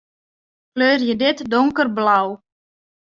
Kleurje dit donkerblau.